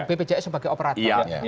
bpjs sebagai operator